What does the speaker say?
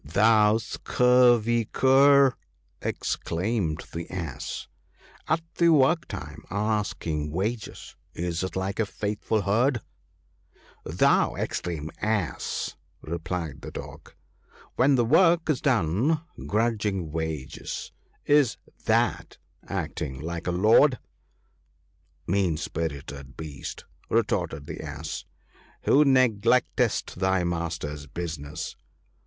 " Thou scurvy cur !" exclaimed the Ass —" At the work time, asking wages — is it like a faithful herd ?"" Thou extreme Ass !" replied the Dog. "When the work's done, grudging wages — is that acting like a lord ?" "Mean spirited beast," retorted the Ass, "who ne glectest thy master's business